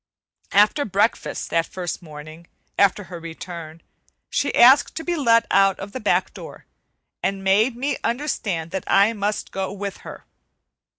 After breakfast that first morning after her return, she asked to be let out of the back door, and made me understand that I must go with her.